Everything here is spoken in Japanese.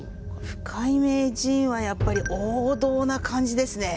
深井名人はやっぱり王道な感じですね。